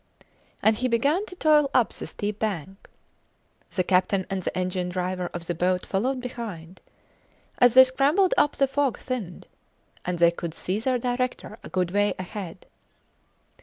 And he began to toil up the steep bank. The captain and the engine driver of the boat followed behind. As they scrambled up the fog thinned, and they could see their Director a good way ahead.